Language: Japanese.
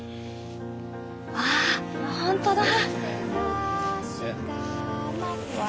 わあほんとだ！